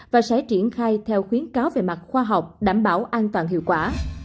và sẽ triển khai theo khuyến cáo về mặt khoa học đảm bảo an toàn hiệu quả